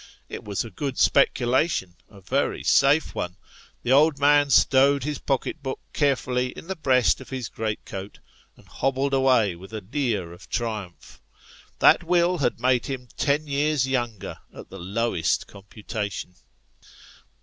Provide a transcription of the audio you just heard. It was a good speculation a very safe one. The old man stowed his pocket book carefully in the breast of his great coat, and hobbled away with a leer of triumph. That will had made him ten years younger at the lowest computation.